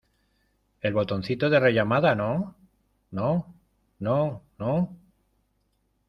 el botoncito de rellamada, ¿ no? no , no , no...